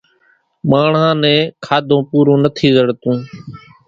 ماڻۿان نين کاڌون پورون نٿِي زڙتون۔